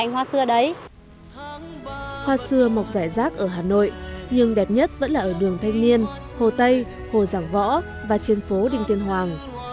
hoa xưa mọc giải rác ở hà nội nhưng đẹp nhất vẫn là ở đường thanh niên hồ tây hồ giảng võ và trên phố đinh tiên hoàng